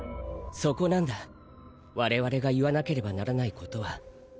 そこなんだ我々が言わなければならない事は。